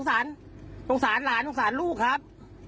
สงสารหลานสงสารลูกครับ